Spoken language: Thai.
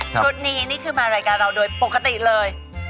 ชุดนี้นี่คือมารายการเราโดยปกติเลย